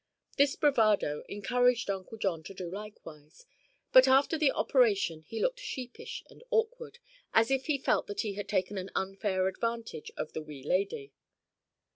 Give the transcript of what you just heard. This bravado encouraged Uncle John to do likewise, but after the operation he looked sheepish and awkward, as if he felt that he had taken an unfair advantage of the wee lady.